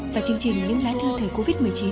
và chương trình những lá thư thời covid một mươi chín